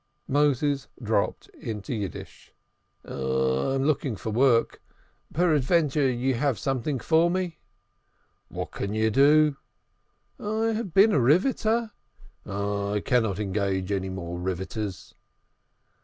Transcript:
Moses dropped into Yiddish. "I am looking for work. Peradventure have you something for me?" "What can you do?" "I have been a riveter." "I cannot engage any more riveters."